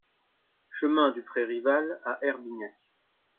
Chemin du Pré Rival à Herbignac